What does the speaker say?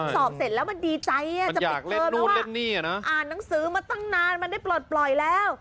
สอบเสร็จแล้วมันดีใจอะจะติดเพิ่มนะว่านังสือมาตั้งนานมันได้ปลอดโป่ยแล้ว